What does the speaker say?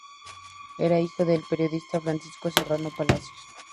Era hijo del periodista Francisco Serrano Palacios.